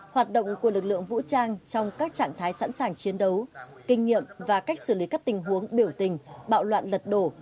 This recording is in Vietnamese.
hoạt động của lực lượng vũ trang trong các trạng thái sẵn sàng chiến đấu kinh nghiệm và cách xử lý các tình huống biểu tình bạo loạn lật đổ